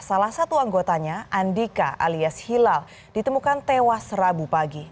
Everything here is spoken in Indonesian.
salah satu anggotanya andika alias hilal ditemukan tewas rabu pagi